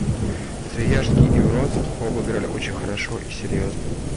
Свияжский и Вронский оба играли очень хорошо и серьезно.